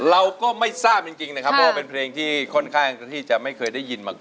เราก็ไม่ทราบจริงนะครับเพราะว่าเป็นเพลงที่ค่อนข้างที่จะไม่เคยได้ยินมาก่อน